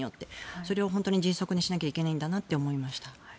それを本当に迅速にしなきゃいけないんだなと思います。